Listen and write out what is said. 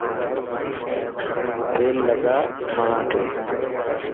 تيل لگا واڙاتي.